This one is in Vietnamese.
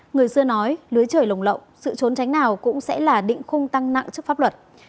người xưa nói lưới trời lồng lộng sự trốn tránh nào cũng sẽ là định khung tăng nặng trước pháp luật